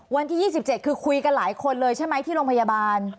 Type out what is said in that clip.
วันที่๒๗คือคุยกันหลายคนเลยใช่ไหมที่โรงพยาบาล